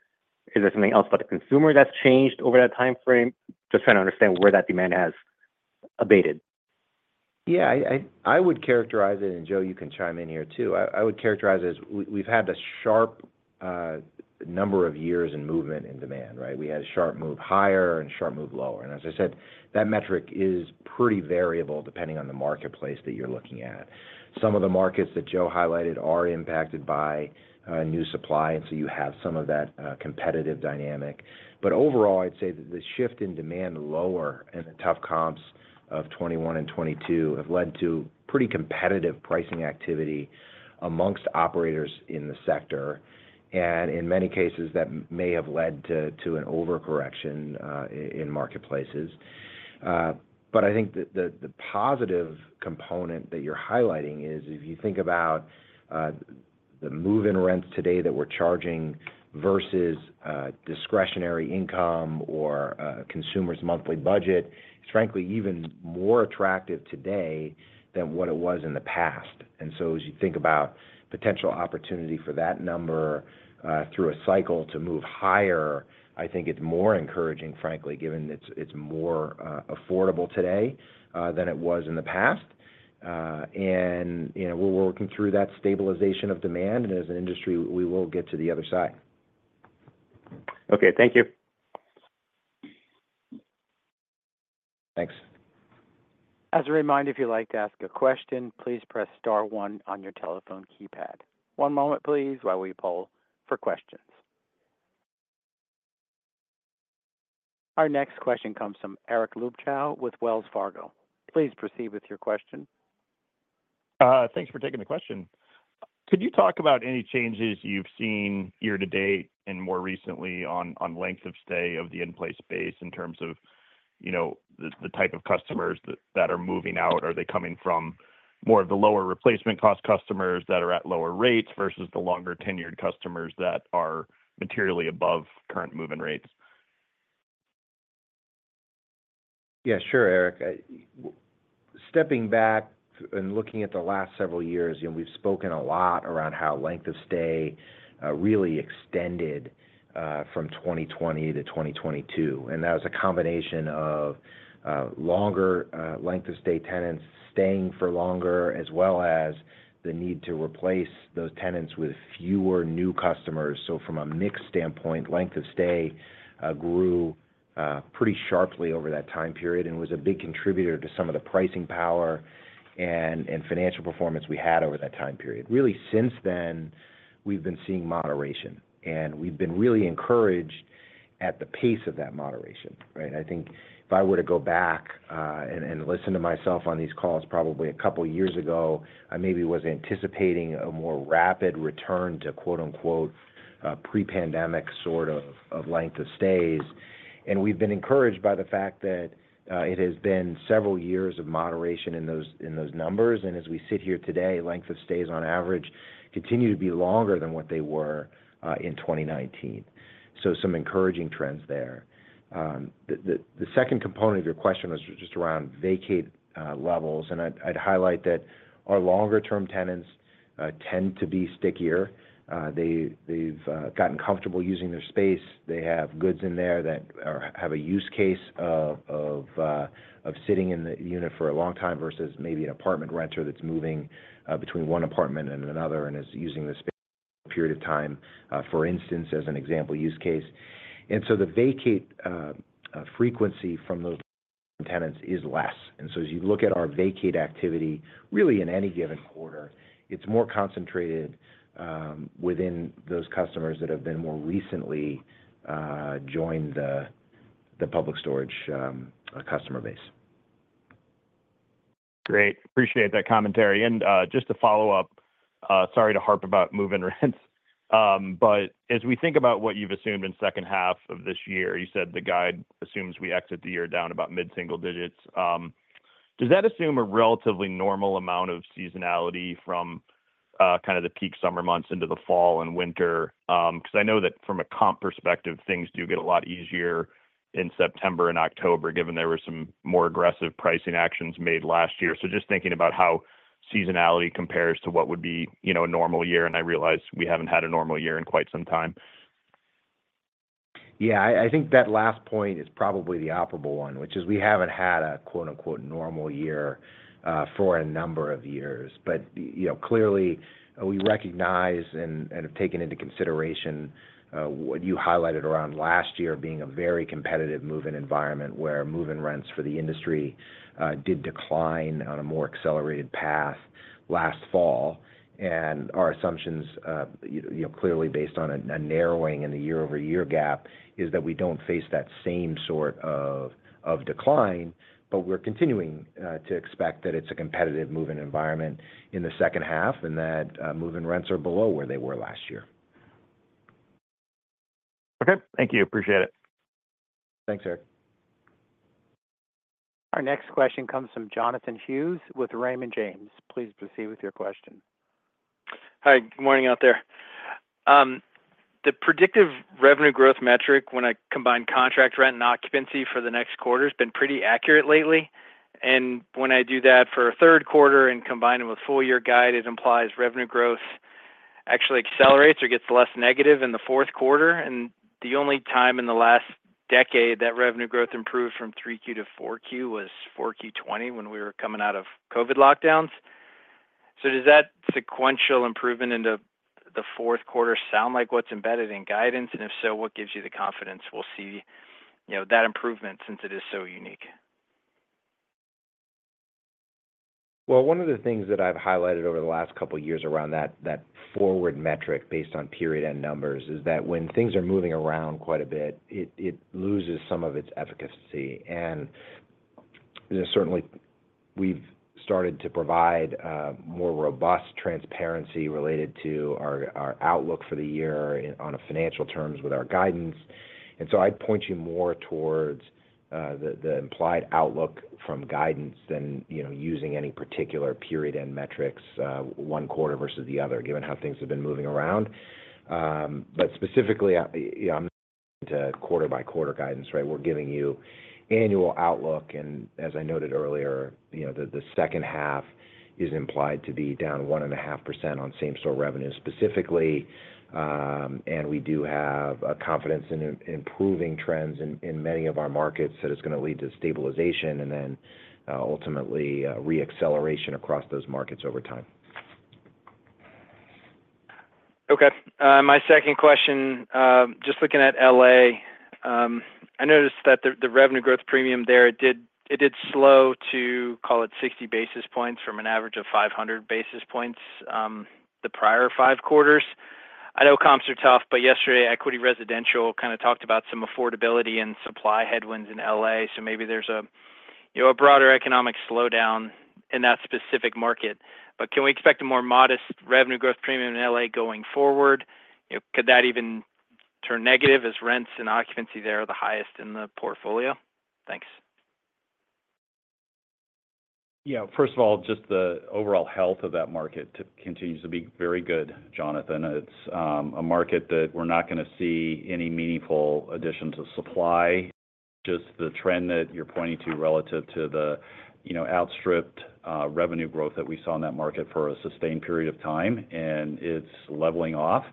is there something else about the consumer that's changed over that time frame? Just trying to understand where that demand has abated.
Yeah, I would characterize it, and Joe, you can chime in here, too. I would characterize it as we, we've had a sharp number of years in movement in demand, right? We had a sharp move higher and sharp move lower. And as I said, that metric is pretty variable depending on the marketplace that you're looking at. Some of the markets that Joe highlighted are impacted by new supply, and so you have some of that competitive dynamic. But overall, I'd say that the shift in demand lower and the tough comps of 2021 and 2022 have led to pretty competitive pricing activity among operators in the sector, and in many cases, that may have led to an overcorrection in marketplaces. But I think the positive component that you're highlighting is, if you think about, the move-in rents today that we're charging versus, discretionary income or, consumer's monthly budget, it's frankly even more attractive today than what it was in the past. And so as you think about potential opportunity for that number, through a cycle to move higher, I think it's more encouraging, frankly, given it's, it's more, affordable today, than it was in the past. And, you know, we're working through that stabilization of demand, and as an industry, we will get to the other side.
Okay. Thank you.
Thanks.
As a reminder, if you'd like to ask a question, please press * one on your telephone keypad. One moment, please, while we poll for questions. Our next question comes from Eric Luebchow with Wells Fargo. Please proceed with your question.
Thanks for taking the question. Could you talk about any changes you've seen year to date and more recently on length of stay of the in-place base in terms of, you know, the type of customers that are moving out? Are they coming from more of the lower replacement cost customers that are at lower rates versus the longer-tenured customers that are materially above current move-in rates?...
Yeah, sure, Eric. Stepping back and looking at the last several years, you know, we've spoken a lot around how length of stay really extended from 2020 to 2022, and that was a combination of longer length of stay tenants staying for longer, as well as the need to replace those tenants with fewer new customers. So from a mix standpoint, length of stay grew pretty sharply over that time period and was a big contributor to some of the pricing power and financial performance we had over that time period. Really, since then, we've been seeing moderation, and we've been really encouraged at the pace of that moderation, right? I think if I were to go back and listen to myself on these calls probably a couple of years ago, I maybe was anticipating a more rapid return to, quote-unquote, "pre-pandemic" sort of length of stays. And we've been encouraged by the fact that it has been several years of moderation in those numbers, and as we sit here today, length of stays on average continue to be longer than what they were in 2019. So some encouraging trends there. The second component of your question was just around vacate levels, and I'd highlight that our longer-term tenants tend to be stickier. They've gotten comfortable using their space. They have goods in there that have a use case of sitting in the unit for a long time versus maybe an apartment renter that's moving between one apartment and another and is using the space for a period of time for instance, as an example use case. And so the vacate frequency from those tenants is less. And so as you look at our vacate activity, really in any given quarter, it's more concentrated within those customers that have been more recently joined the Public Storage customer base.
Great. Appreciate that commentary. And, just to follow up, sorry to harp about move-in rents, but as we think about what you've assumed in second half of this year, you said the guide assumes we exit the year down about mid-single digits. Does that assume a relatively normal amount of seasonality from, kind of the peak summer months into the fall and winter? 'Cause I know that from a comp perspective, things do get a lot easier in September and October, given there were some more aggressive pricing actions made last year. So just thinking about how seasonality compares to what would be, you know, a normal year, and I realize we haven't had a normal year in quite some time.
Yeah, I think that last point is probably the operable one, which is we haven't had a, quote-unquote, "normal year," for a number of years. But, you know, clearly, we recognize and have taken into consideration what you highlighted around last year being a very competitive move-in environment, where move-in rents for the industry did decline on a more accelerated path last fall. And our assumptions, you know, clearly based on a narrowing in the year-over-year gap, is that we don't face that same sort of decline, but we're continuing to expect that it's a competitive move-in environment in the second half, and that move-in rents are below where they were last year.
Okay. Thank you. Appreciate it.
Thanks, Eric.
Our next question comes from Jonathan Hughes with Raymond James. Please proceed with your question.
Hi, good morning out there. The predictive revenue growth metric, when I combine contract rent and occupancy for the next quarter, has been pretty accurate lately. And when I do that for a third quarter and combine them with full-year guide, it implies revenue growth actually accelerates or gets less negative in the fourth quarter. And the only time in the last decade that revenue growth improved from 3Q to 4Q was 4Q 2020, when we were coming out of COVID lockdowns. So does that sequential improvement into the fourth quarter sound like what's embedded in guidance? And if so, what gives you the confidence we'll see, you know, that improvement since it is so unique?
Well, one of the things that I've highlighted over the last couple of years around that, that forward metric based on period-end numbers, is that when things are moving around quite a bit, it, it loses some of its efficacy. You know, certainly, we've started to provide more robust transparency related to our, our outlook for the year on a financial terms with our guidance. So I'd point you more towards the, the implied outlook from guidance than, you know, using any particular period end metrics one quarter versus the other, given how things have been moving around. But specifically, yeah, I'm to quarter by quarter guidance, right? We're giving you annual outlook, and as I noted earlier, you know, the, the second half is implied to be down 1.5% on same-store revenue specifically. We do have a confidence in improving trends in many of our markets, that it's gonna lead to stabilization and then ultimately re-acceleration across those markets over time.
Okay. My second question, just looking at L.A., I noticed that the revenue growth premium there, it did slow to, call it, 60 basis points from an average of 500 basis points, the prior 5 quarters. I know comps are tough, but yesterday, Equity Residential kind of talked about some affordability and supply headwinds in L.A., so maybe there's a, you know, a broader economic slowdown in that specific market. But can we expect a more modest revenue growth premium in L.A. going forward? You know, could that even turn negative as rents and occupancy there are the highest in the portfolio? Thanks....
Yeah, first of all, just the overall health of that market continues to be very good, Jonathan. It's a market that we're not gonna see any meaningful additions of supply, just the trend that you're pointing to relative to the, you know, outstripped revenue growth that we saw in that market for a sustained period of time, and it's leveling off.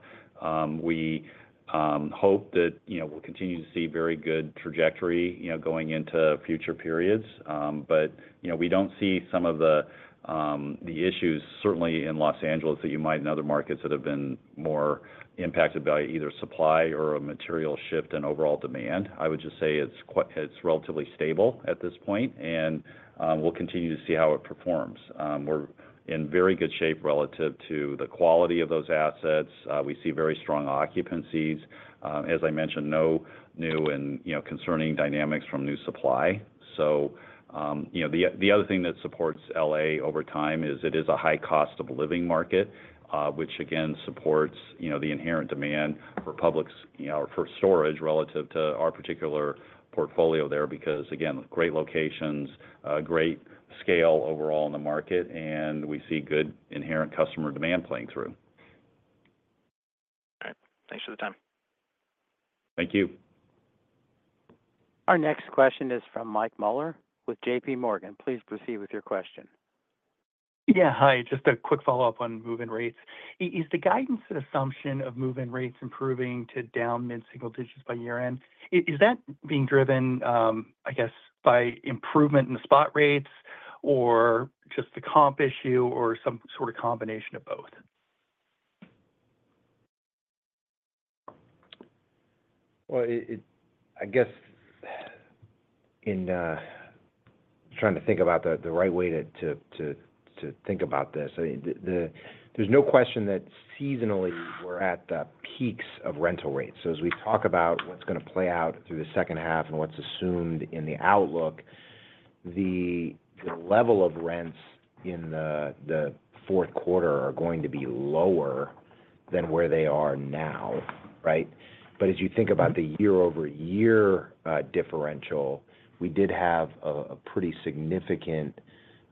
We hope that, you know, we'll continue to see very good trajectory, you know, going into future periods. But, you know, we don't see some of the issues, certainly in Los Angeles, that you might in other markets that have been more impacted by either supply or a material shift in overall demand. I would just say it's relatively stable at this point, and we'll continue to see how it performs. We're in very good shape relative to the quality of those assets. We see very strong occupancies. As I mentioned, no new and, you know, concerning dynamics from new supply. So, you know, the, the other thing that supports L.A. over time is it is a high cost of living market, which, again, supports, you know, the inherent demand for Public's, you know, or for storage relative to our particular portfolio there, because, again, great locations, great scale overall in the market, and we see good inherent customer demand playing through.
All right. Thanks for the time.
Thank you.
Our next question is from Michael Mueller with J.P. Morgan. Please proceed with your question.
Yeah, hi. Just a quick follow-up on move-in rates. Is the guidance and assumption of move-in rates improving to down mid-single digits by year-end? Is that being driven, I guess, by improvement in the spot rates, or just a comp issue, or some sort of combination of both?
Well, I guess, in... Trying to think about the right way to think about this. I mean, there's no question that seasonally, we're at the peaks of rental rates. So as we talk about what's gonna play out through the second half and what's assumed in the outlook, the level of rents in the fourth quarter are going to be lower than where they are now, right? But as you think about the year-over-year differential, we did have a pretty significant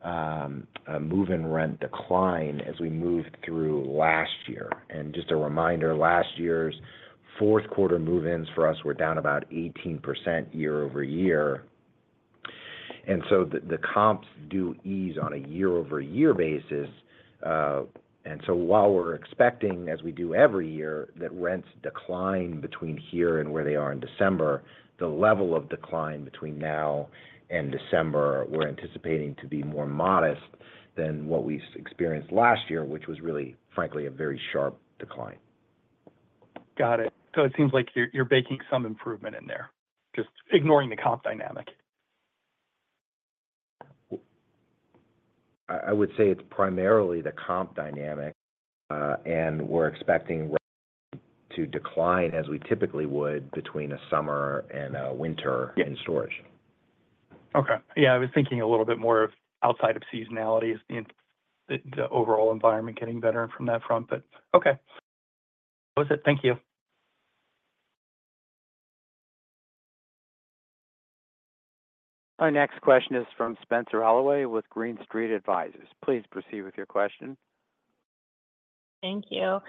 move-in rent decline as we moved through last year. And just a reminder, last year's fourth quarter move-ins for us were down about 18% year-over-year. And so the comps do ease on a year-over-year basis. And so while we're expecting, as we do every year, that rents decline between here and where they are in December, the level of decline between now and December, we're anticipating to be more modest than what we experienced last year, which was really, frankly, a very sharp decline.
Got it. So it seems like you're, you're baking some improvement in there, just ignoring the comp dynamic.
I would say it's primarily the comp dynamic, and we're expecting rates to decline as we typically would between a summer and a winter-
Yeah...
in storage.
Okay. Yeah, I was thinking a little bit more of outside of seasonality, in the overall environment getting better from that front, but okay. That was it. Thank you.
Our next question is from Spenser Allaway with Green Street Advisors. Please proceed with your question.
Thank you.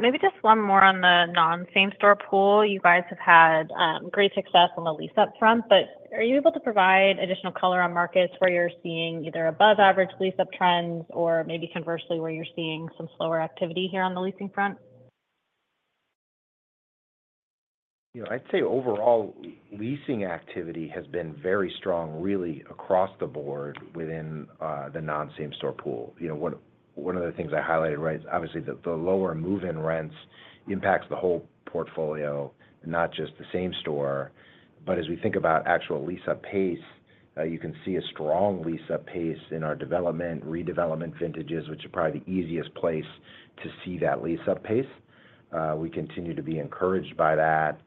Maybe just one more on the non-same-store pool. You guys have had great success on the lease-up front, but are you able to provide additional color on markets where you're seeing either above average lease-up trends, or maybe conversely, where you're seeing some slower activity here on the leasing front?
You know, I'd say overall, leasing activity has been very strong, really across the board within the non-same-store pool. You know, one of the things I highlighted, right, is obviously the lower move-in rents impacts the whole portfolio, not just the same-store. But as we think about actual lease-up pace, you can see a strong lease-up pace in our development, redevelopment vintages, which are probably the easiest place to see that lease-up pace. We continue to be encouraged by that.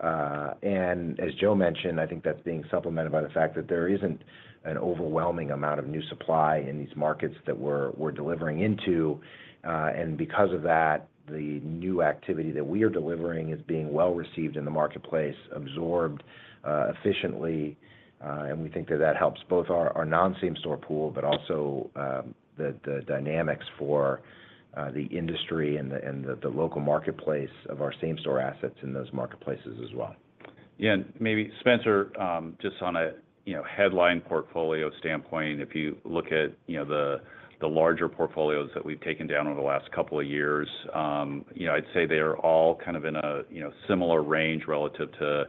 And as Joe mentioned, I think that's being supplemented by the fact that there isn't an overwhelming amount of new supply in these markets that we're delivering into. And because of that, the new activity that we are delivering is being well received in the marketplace, absorbed efficiently, and we think that that helps both our non-same-store pool, but also the dynamics for the industry and the local marketplace of our same store assets in those marketplaces as well.
Yeah, and maybe Spencer, just on a, you know, headline portfolio standpoint, if you look at, you know, the larger portfolios that we've taken down over the last couple of years, you know, I'd say they are all kind of in a, you know, similar range relative to,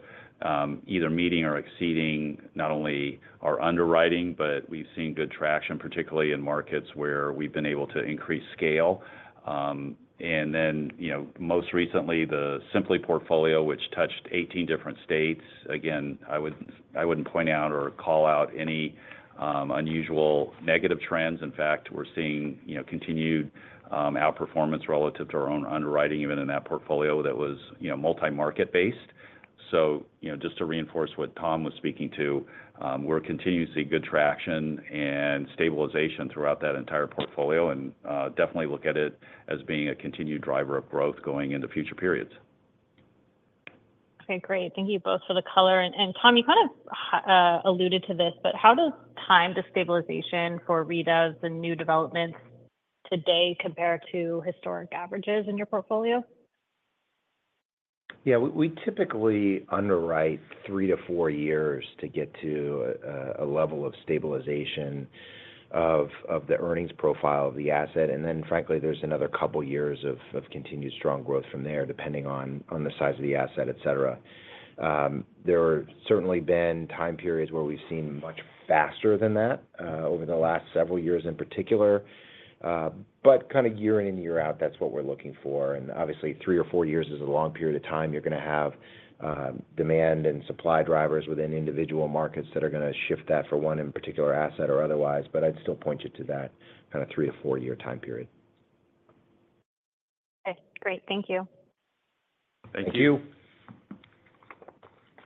either meeting or exceeding not only our underwriting, but we've seen good traction, particularly in markets where we've been able to increase scale. And then, you know, most recently, the Simply portfolio, which touched 18 different states, again, I wouldn't point out or call out any unusual negative trends. In fact, we're seeing, you know, continued outperformance relative to our own underwriting, even in that portfolio that was, you know, multi-market based. You know, just to reinforce what Tom was speaking to, we're continuing to see good traction and stabilization throughout that entire portfolio, and definitely look at it as being a continued driver of growth going into future periods.
Okay, great. Thank you both for the color. And Tom, you kind of alluded to this, but how does time to stabilization for redos and new developments today compare to historic averages in your portfolio?
Yeah, we typically underwrite 3-4 years to get to a level of stabilization of the earnings profile of the asset, and then frankly, there's another couple of years of continued strong growth from there, depending on the size of the asset, et cetera. There have certainly been time periods where we've seen much faster than that over the last several years in particular, but kind of year in and year out, that's what we're looking for, and obviously, 3-4 years is a long period of time. You're gonna have demand and supply drivers within individual markets that are gonna shift that for one particular asset or otherwise, but I'd still point you to that kind of 3-4-year time period.
Okay, great. Thank you.
Thank you.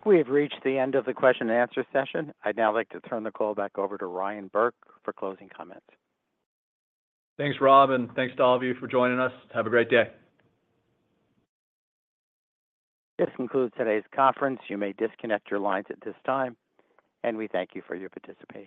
We have reached the end of the question and answer session. I'd now like to turn the call back over to Ryan Burke for closing comments.
Thanks, Rob, and thanks to all of you for joining us. Have a great day.
This concludes today's conference. You may disconnect your lines at this time, and we thank you for your participation.